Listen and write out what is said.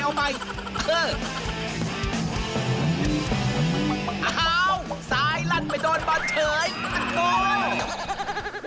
อ้าวซ้ายลั่นไปโดนบอสเผยอัตโฆ